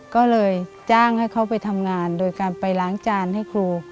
ก็เลยจ้างให้เขาไปทำงานโดยการไปล้างจานให้ครู